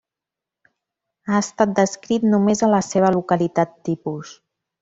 Ha estat descrit només a la seva localitat tipus.